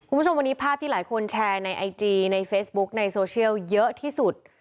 คุณผู้ชมวันนี้ภาพที่หลายคนแชร์ในไอจีในเฟซบุ๊กในโซเชียลเยอะที่สุด